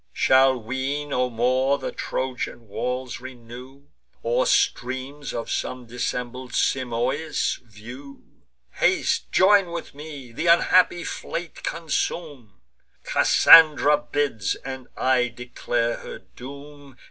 Shall we no more the Trojan walls renew, Or streams of some dissembled Simois view! Haste, join with me, th' unhappy fleet consume! Cassandra bids; and I declare her doom.